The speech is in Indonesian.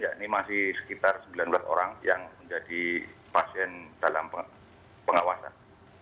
ya ini masih sekitar sembilan belas orang yang menjadi pasien dalam pengawasan